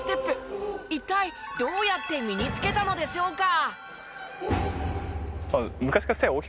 一体どうやって身につけたのでしょうか？